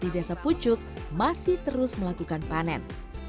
di desa pucuk masih terus melakukan panen